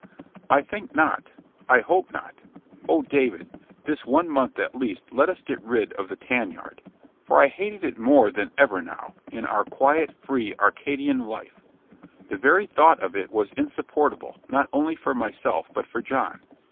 "I think not; I hope not. Oh, David! this one month at least let us get rid of the tan yard." For I hated it more than ever now, in our quiet, free, Arcadian life; the very thought of it was insupportable, not only for myself, but for John.